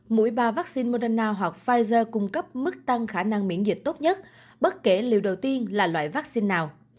mỗi ba vaccine moderna hoặc pfizer cung cấp mức tăng khả năng miễn dịch tốt nhất bất kể liều đầu tiên là loại vaccine nào